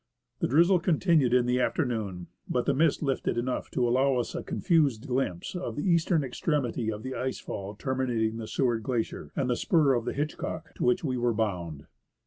The drizzle continued in the afternoon, but the mists lifted enough to allow us a confused glimpse of the eastern extremity of the ice fall terminating the Seward Glacier, and the spur of Hitchcock to which we were bound.